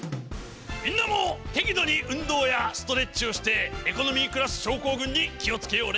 みんなも適度に運動やストレッチをしてエコノミークラス症候群に気を付けようね。